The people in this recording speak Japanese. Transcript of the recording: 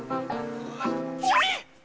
それ！